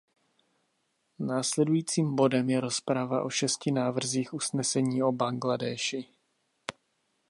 Nasledujícím bodem je rozprava o šesti návrzích usnesení o Bangladéši.